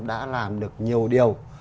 đã làm được nhiều điều